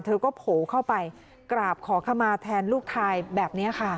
เธอก็โผล่เข้าไปกราบขอเข้ามาแทนลูกชายแบบนี้ค่ะ